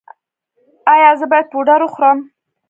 ایا زه باید پوډر وخورم؟